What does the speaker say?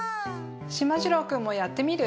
しまじろうくんもやってみる？